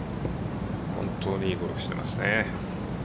本当にいいゴルフしてますね。